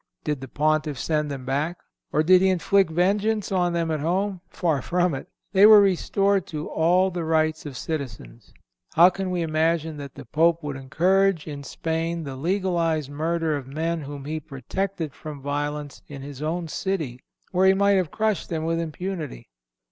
Did the Pontiff send them back, or did he inflict vengeance on them at home? Far from it; they were restored to all the rights of citizens. How can we imagine that the Pope would encourage in Spain the legalized murder of men whom he protected from violence in his own city, where he might have crushed them with impunity?